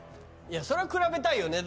いやそれは比べたいよね。